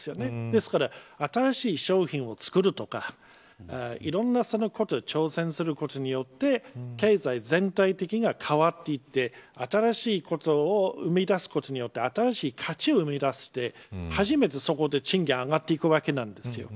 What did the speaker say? ですから、新しい商品を作るとかいろんなことに挑戦することによって経済全体的に変わっていって新しいことを生み出すことによって新しい価値を生み出して初めてそこで賃金が上がっていくわけです。